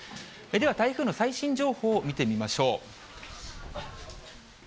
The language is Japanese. では台風の最新情報を見てみましょう。